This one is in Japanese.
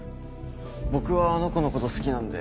僕はあの子のこと好きなんで。